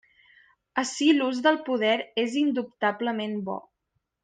Ací l'ús del poder és indubtablement bo.